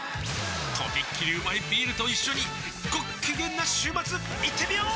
とびっきりうまいビールと一緒にごっきげんな週末いってみよー！